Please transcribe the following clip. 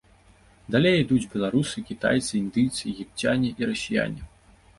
Далей ідуць беларусы, кітайцы, індыйцы, егіпцяне і расіяне.